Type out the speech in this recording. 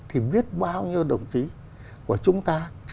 thì biết bao nhiêu đồng chí của chúng ta